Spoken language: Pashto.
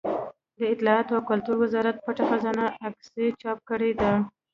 د اطلاعاتو او کلتور وزارت پټه خزانه عکسي چاپ کړې ده.